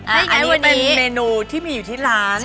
อันนี้เป็นเมนูที่มีอยู่ที่ร้าน